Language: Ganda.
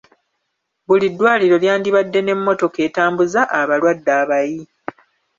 Buli ddwaliro lyandibadde n'emmotoka etambuza abalwadde abayi.